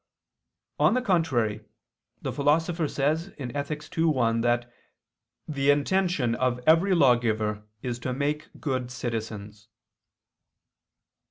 On the contrary, The Philosopher says (Ethic. ii, 1) that the "intention of every lawgiver is to make good citizens."